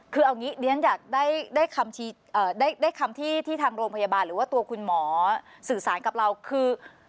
คือเอางี้เรียนอยากได้คำที่ทางโรงพยาบาลหรือว่าตัวคุณหมอสื่อสารกับเราคือ